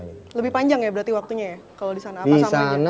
lebih panjang ya berarti waktunya ya kalo disana apa summernya